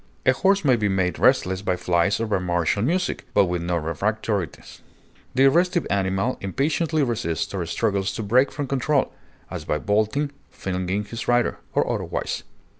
A horse may be made restless by flies or by martial music, but with no refractoriness; the restive animal impatiently resists or struggles to break from control, as by bolting, flinging his rider, or otherwise.